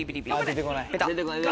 出てこない。